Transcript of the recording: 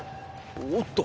おっと。